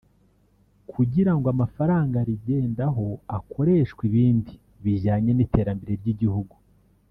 kugira ngo amafaranga arigendaho akoreshwe ibindi bijyanye n’iterambere ry’igihugu